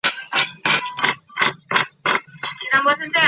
里勒河畔拉费里耶尔人口变化图示